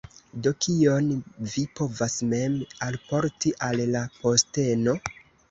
Do kion vi povas mem alporti al la posteno?